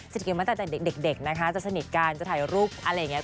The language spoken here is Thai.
เกี่ยวมาตั้งแต่เด็กนะคะจะสนิทกันจะถ่ายรูปอะไรอย่างนี้